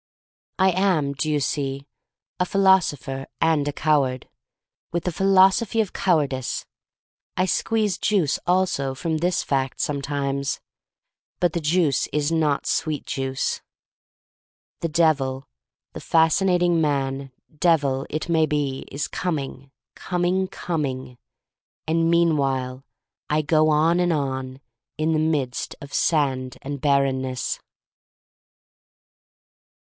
I am, do you see, a philosopher and a coward — with the philosophy of cow ardice. I squeeze juice also from this fact sometimes — ^but the juice is not sweet juice. The Devil — the fascinating man devil — it may be, is coming, coming, coming. And meanwhile I go on and on, in the midst of sand and barrenness.